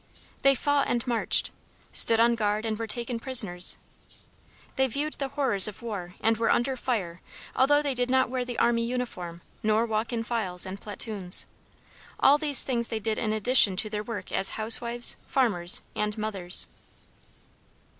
They fought and marched, stood on guard and were taken prisoners. They viewed the horrors of war and were under fire although they did not wear the army uniform nor walk in files and platoons. All these things they did in addition to their work as housewives, farmers, and mothers.